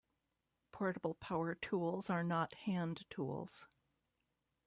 Portable power tools are not hand tools.